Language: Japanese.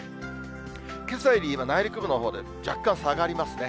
けさよりは内陸部のほうで若干下がりますね。